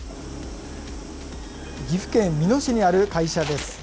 岐阜県美濃市にある会社です。